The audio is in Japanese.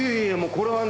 これはね。